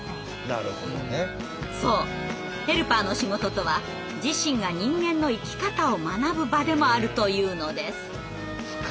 そうヘルパーの仕事とは自身が人間の生き方を学ぶ場でもあるというのです。